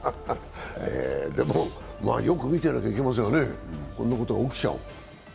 よく見てなきゃいけませんよね、こんなことが起きちゃう。